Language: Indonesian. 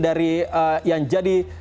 dari yang jadi